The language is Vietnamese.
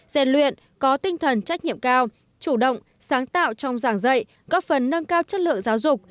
gian luyện có tinh thần trách nhiệm cao chủ động sáng tạo trong giảng dạy góp phần nâng cao chất lượng giáo dục